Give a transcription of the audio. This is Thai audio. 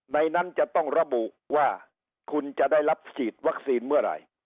นั้นจะต้องระบุว่าคุณจะได้รับฉีดวัคซีนเมื่อไหร่